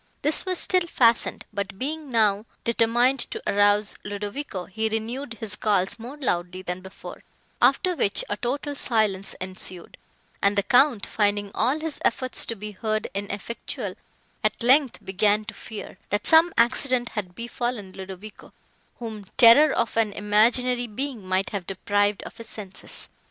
This was still fastened, but, being now determined to arouse Ludovico, he renewed his calls more loudly than before, after which a total silence ensued, and the Count, finding all his efforts to be heard ineffectual, at length began to fear, that some accident had befallen Ludovico, whom terror of an imaginary being might have deprived of his senses.